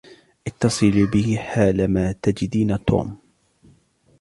اتّصلي بي حالما تجدين توم.